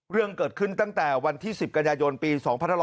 เรื่องเกิดขึ้นตั้งแต่วันที่๑๐กันยายนปี๒๕๖๐